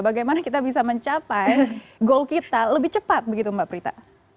bagaimana kita bisa mencapai goal kita lebih cepat begitu mbak prita